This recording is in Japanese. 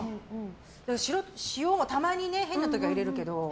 塩をたまに変な時は入れるけど。